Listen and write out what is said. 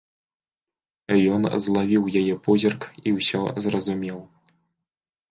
Ён злавіў яе позірк і ўсё зразумеў.